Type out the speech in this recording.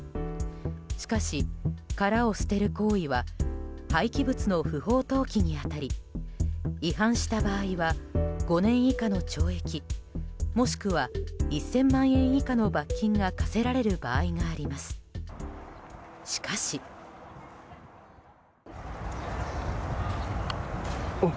しかし、殻を捨てる行為は廃棄物の不法投棄に当たり違反した場合は５年以下の懲役もしくは１０００万円以下の罰金が科せられる場合があります。